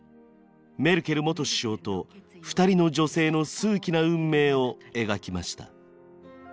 メルケル元首相と２人の女性の数奇な運命を描きました。